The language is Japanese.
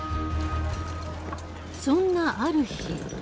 そんなある日。